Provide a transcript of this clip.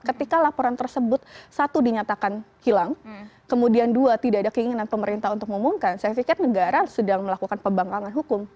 ketika laporan tersebut satu dinyatakan hilang kemudian dua tidak ada keinginan pemerintah untuk mengumumkan saya pikir negara sedang melakukan pembangkangan hukum